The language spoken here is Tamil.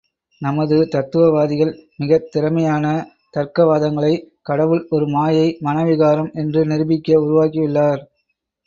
நமது தத்துவவாதிகள் மிகத் திறமையான தர்க்கவாதங்களை, கடவுள் ஒரு மாயை, மன விகாரம் என்று நிரூபிக்க உருவாக்கியுள்ளார்.